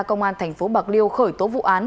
công an thành phố bạc liêu khởi tố vụ án